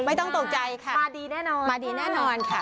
ไม่ต้องตกใจค่ะ